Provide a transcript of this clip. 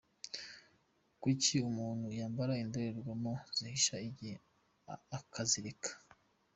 Kuki umuntu yambara indorerwamo hashira igihe akazireka?.